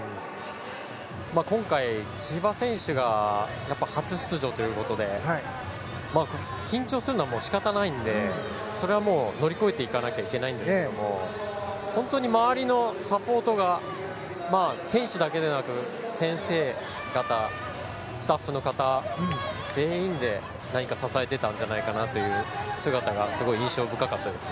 今回、千葉選手が初出場ということで緊張するのは仕方がないのでそれはもう、乗り越えていかなきゃいけないんですけど本当に周りのサポートが選手だけでなく先生方、スタッフの方全員で支えていたんじゃないかなという姿がすごい印象深かったです。